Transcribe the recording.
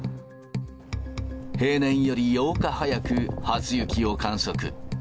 平年より８日早く初雪を観測。